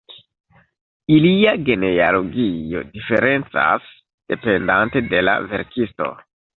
Ilia genealogio diferencas dependante de la verkisto.